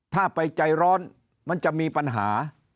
ถ้าไปใจร้อนมันจะมีปัญหา